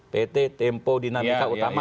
pt tempo dinamika utama